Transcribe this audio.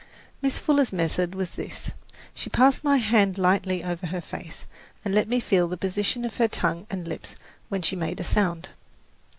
Miss Fuller's method was this: she passed my hand lightly over her face, and let me feel the position of her tongue and lips when she made a sound.